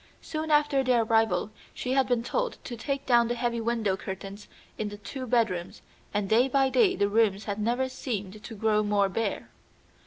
Soon after their arrival she had been told to take down the heavy window curtains in the two bedrooms, and day by day the rooms had seemed to grow more bare.